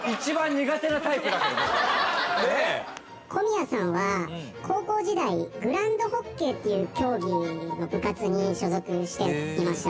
「小宮さんは高校時代グランドホッケーっていう競技の部活に所属していました」